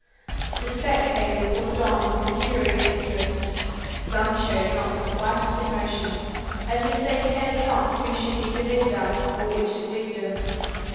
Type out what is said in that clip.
The spectators looked on with a curious interest. Some showed not the slightest emotion, as if they cared not who should be the victor, or which the victim.